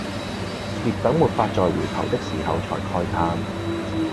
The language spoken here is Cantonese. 別等沒法再回頭的時候才慨嘆